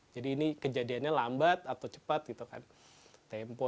jadi ini kejadiannya lambat atau cepat gitu kan tempo